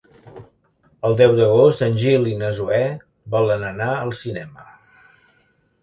El deu d'agost en Gil i na Zoè volen anar al cinema.